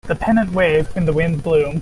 The pennant waved when the wind blew.